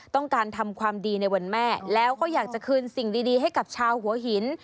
ต้องการทำความดีในวันแม่แล้วก็อยากจะคืนสิ่งดีให้กับชาวหัวหิน